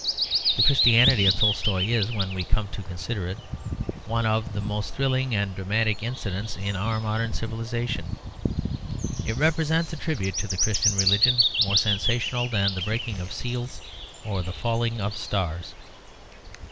The Christianity of Tolstoy is, when we come to consider it, one of the most thrilling and dramatic incidents in our modern civilisation. It represents a tribute to the Christian religion more sensational than the breaking of seals or the falling of stars.